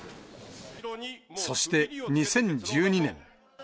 そして、２０１２年。